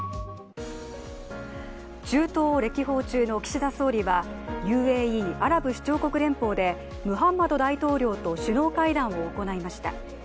中東を歴訪中の岸田総理はＵＡＥ＝アラブ首長国連邦でムハンマド大統領と首脳会談を行いました。